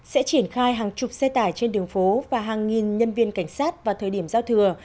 sẽ triển khai hàng chục xe tải trên đường phố và hàng nghìn nhân viên cảnh sát vào thời điểm giao thừa